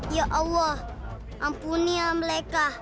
ya allah ampuni mereka